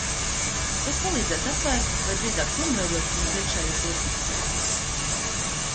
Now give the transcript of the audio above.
Tas palīdzēs atvērt vai drīzāk pilnveidot mūsu iekšējo tirgu.